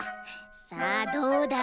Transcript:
さあどうだ？